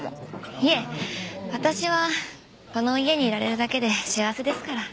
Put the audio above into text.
いえ私はこの家にいられるだけで幸せですから。